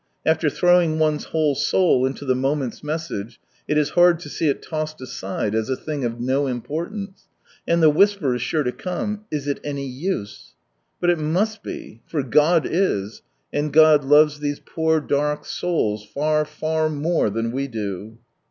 After throwing one's whole soul into the moment's message, it is hard to see it tossed aside as a thing of no importance. And the whisper is sure to come —" Is it any use ?" But it mast be, for God is, and God laves these poor dark souls far far more than we do.